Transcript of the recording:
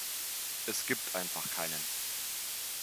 Es gibt einfach keinen.